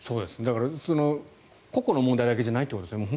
個々の問題だけじゃないということですよね。